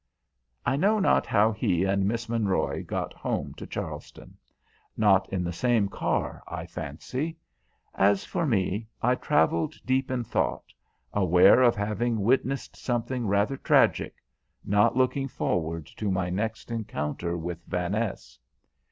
I know not how he and Miss Monroy got home to Charleston; not in the same car, I fancy. As for me, I travelled deep in thought, aware of having witnessed something rather tragic, not looking forward to my next encounter with Vaness.